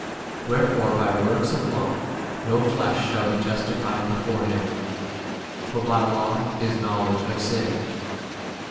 20 Wherefore™ by works of law no flesh shall be justified before him ; for by law [is] knowledge of sin.